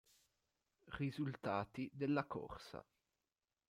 Risultati della corsa.